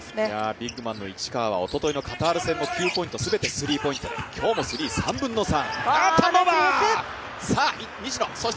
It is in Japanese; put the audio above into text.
ビッグマンの市川はおとといのカタール戦も９ポイント全てスリーポイントで今日もスリー３分の３。